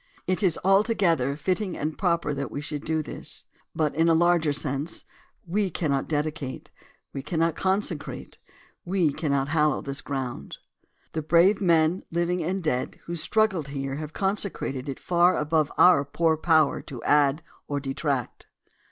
It is altogether fitting and proper that we should do this. But, in a larger sense, w^e cannot dedicate — we cannot con secrate — we cannot hallow this ground. The brave men, living and dead, who struggled here have consecrated it far above our poor power to add or detract.